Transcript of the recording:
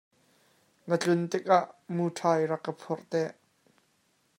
Na tlun tikah muṭhai rak ka phurh te.